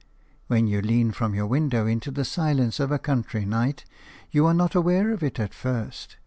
When you lean from your window into the silence of a country night you are not aware of it at first.